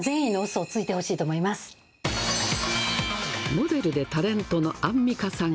モデルでタレントのアンミカさん。